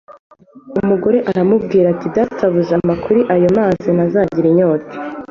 . Umugore aramubwira ati, ” Databuja, mpa kuri ayo mazi ntazagira inyota,